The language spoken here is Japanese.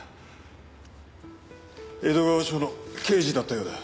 江戸川署の刑事だったようだ。